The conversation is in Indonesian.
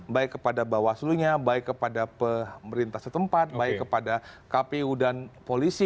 baik kepada bawaslu nya baik kepada pemerintah setempat baik kepada kpu dan polisi